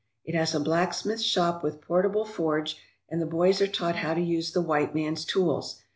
It has a blacksmith shop with portable forge and the boys are taught how to use the white man's tools.